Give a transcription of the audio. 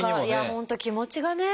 本当気持ちがね。